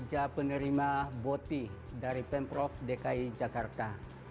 kerja penerima boti dari pemprov dki jakarta